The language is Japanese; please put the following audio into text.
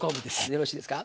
よろしいですか？